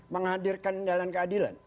menghadirkan dalam keadilan